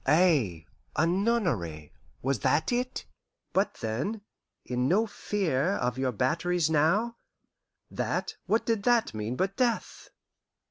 Ay, a nunnery was that it? But then, "In no fear of your batteries now" that, what did that mean but death?